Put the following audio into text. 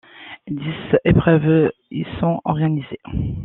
Dix épreuves y sont organisées.